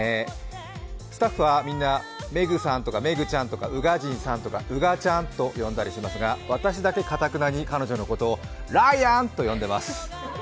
スタッフはみんなメグさんとかメグちゃんとか宇賀神さんとかうがちゃんと呼んだりしますが私だけかたくなに彼女のことをライアンと呼んでます。